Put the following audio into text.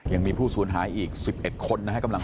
ยังมีผู้สูญหายอีก๑๑คนนะครับกำลังคน